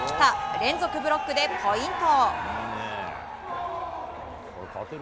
連続ブロックでポイント！